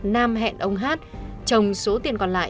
nam hẹn ông hát trồng số tiền còn lại